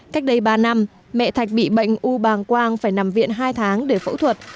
cách đây ba năm mẹ thạch bị bệnh u bàng quang phải nằm viện hai tháng để phẫu thuật